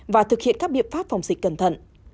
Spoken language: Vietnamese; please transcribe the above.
và thực hiện các biện pháp phòng dịch cẩn thận